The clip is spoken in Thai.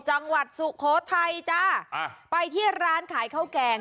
สุโขทัยจ้าอ่าไปที่ร้านขายข้าวแกง